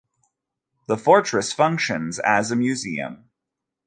The fortress functions as a museum.